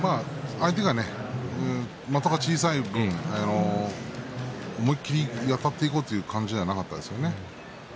相手の的が小さい分思い切りあたっていこうという感じではなかったですね。